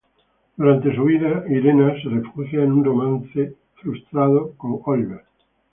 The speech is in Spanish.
Durante su huida, Irena se refugia en un romance frustrado con Oliver.